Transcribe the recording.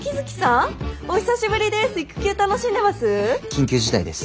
緊急事態です。